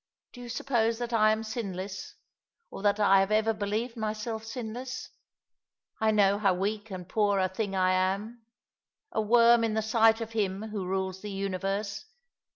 Do you supposa that I am sinless, or that I have ever believed myself sinless ? I know how weak and poor a thing I am — a worm in the sight of Him who rules the universe.